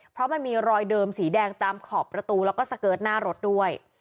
เพราะมันมีรอยเดิมสีแดงตามขอบประตูแล้วก็สเกิร์ตหน้ารถด้วย